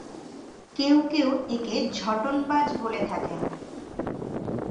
কেউ কেউ একে ঝোঁটন-বাজ বলে থাকেন।